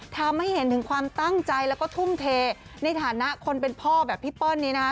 ทำให้เห็นถึงความตั้งใจแล้วก็ทุ่มเทในฐานะคนเป็นพ่อแบบพี่เปิ้ลนี้นะคะ